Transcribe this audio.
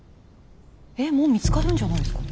えっもう見つかるんじゃないですか？